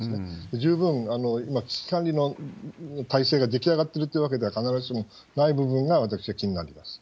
十分体制が出来上がってるというわけでは、必ずしもないことが、私は気になります。